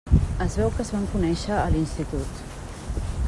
Es veu que es van conèixer a l'institut.